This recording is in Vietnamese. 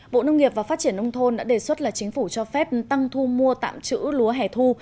bộ nông nghiệp và phát triển nông thôn đã đề xuất là chính phủ cho phép tăng thu mua tạm trữ lúa hẻ thu